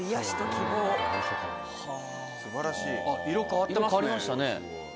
色変わりましたね。